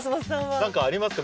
何かありますか？